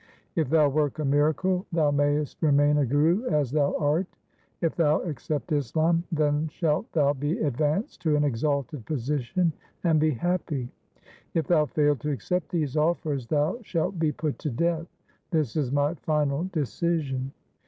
If thou work a miracle, thou mayest remain a Guru as thou art. If thou accept Islam, then shalt thou be advanced to an exalted position, and be happy. If thou fail to accept these offers, thou shalt be put to death. This is my final decision.'